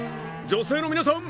女性の皆さん